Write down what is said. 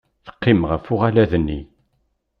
Teqqim ɣef uɣalad-nni.